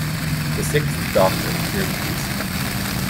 The Sixth Doctor appeared in three seasons.